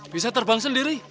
bisa terbang sendiri